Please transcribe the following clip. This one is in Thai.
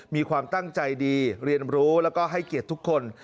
มีความตั้งใจดีเรียนรู้แล้วก็ให้เกียรติทุกคน